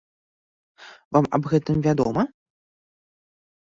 Вам аб гэтым вядома?